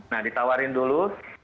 nah ditawarin dulu